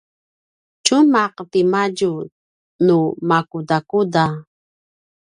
tjumaq ti madju nu makudakuda?